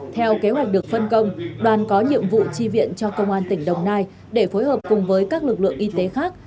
theo kế hoạch được phân công đoàn có nhiệm vụ tri viện cho công an tỉnh đồng nai để phối hợp cùng với các lực lượng y tế khác